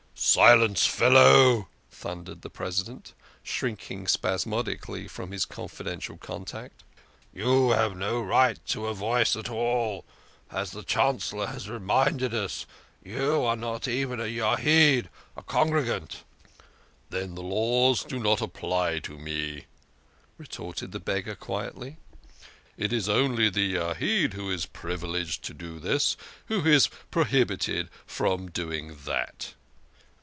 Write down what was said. " Silence, fellow !" thundered the President, shrinking spasmodically from his confidential contact. " You have no right to a voice at all ; as the Chancellor has reminded us, you are not even a Yahid, a congregant." " Then the laws do not apply to me," retorted the beggar quietly. " It is only the Yahid who is privileged to do this, who is prohibited from doing that.